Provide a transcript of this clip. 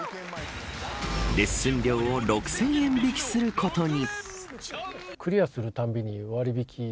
レッスン料を６０００円引きすることに。